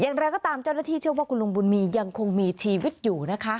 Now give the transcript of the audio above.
อย่างไรก็ตามเจ้าหน้าที่เชื่อว่าคุณลุงบุญมียังคงมีชีวิตอยู่นะคะ